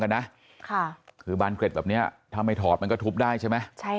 นะค่ะคือบานเกร็ดแบบนี้ถ้าไม่ถอดมันก็ทุบได้ใช่ไหมใช่